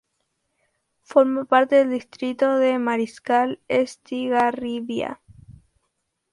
Forma parte del distrito de Mariscal Estigarribia.